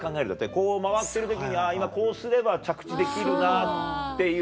こう回ってる時に今こうすれば着地できるなっていう。